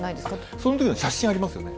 そのときの写真ありますよね。